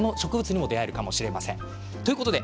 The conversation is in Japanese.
その植物に出会えるかもしれません。